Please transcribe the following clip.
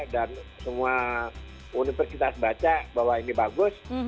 dan semua universitas baca bahwa ini bagus